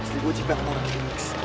sini gue cipeng orang ini